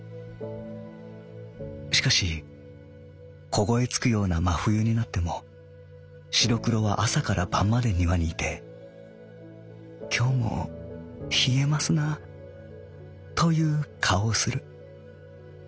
しかし凍えつくような真冬になっても白黒は朝から晩まで庭にいて『きょうも冷えますな』という顔をする。